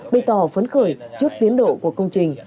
bày tỏ phấn khởi trước tiến độ của công trình